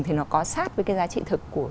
thì nó có sát với cái giá trị thực của